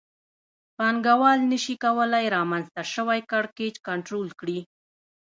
پانګوال نشي کولای رامنځته شوی کړکېچ کنټرول کړي